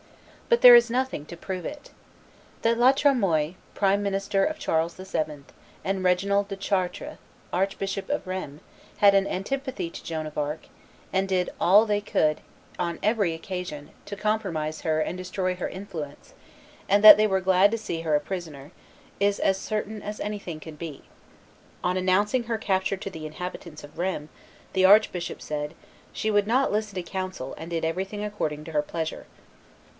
But there is nothing to prove it. That La Tremoille, prime minister of Charles VII., and Reginald de Chartres, Archbishop of Rheims, had an antipathy to Joan of Arc, and did all they could on every occasion to compromise her and destroy her influence, and that they were glad to see her a prisoner, is as certain as anything can be. On announcing her capture to the inhabitants of Rheims, the arch bishop said, "She would not listen to counsel, and did everything according to her pleasure."